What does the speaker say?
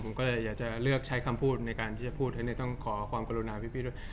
ผมก็เลยอยากจะเลือกใช้คำพูดในการที่จะพูดอันนี้ต้องขอความกรุณาพี่ด้วย